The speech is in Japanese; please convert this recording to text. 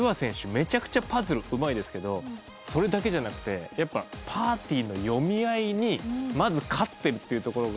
めちゃくちゃパズルうまいですけどそれだけじゃなくてやっぱパーティーの読み合いにまず勝ってるっていうところが。